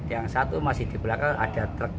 yang satu masih di belakang ada truk